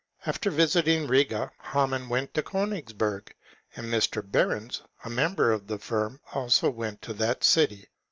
After visiting Riga, Hamann went to Konigsberg, and Mr. Berens, a member of the firm, also went to that city.